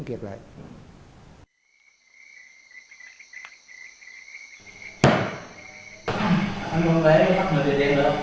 anh quân bế bắt mình về đèn rồi không